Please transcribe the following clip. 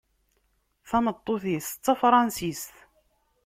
Tameṭṭut-is d tafransist.